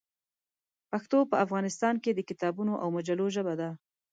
پښتو په افغانستان کې د کتابونو او مجلو ژبه ده.